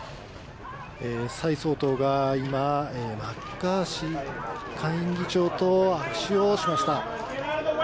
蔡総統がマッカーシー下院議長と握手をしました。